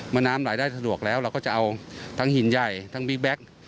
น้ำรายได้สะดวกแล้วเราก็จะเอาทั้งหินใหญ่ทั้งบิ๊กแก๊ก